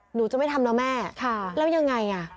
หนูจะไม่ทำแล้วแม่แล้วยังไงอ่ะ